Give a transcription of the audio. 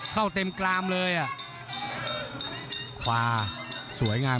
เข้าเต็มกรามเลย